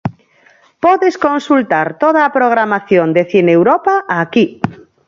Podes consultar toda a programación de Cineuropa aquí.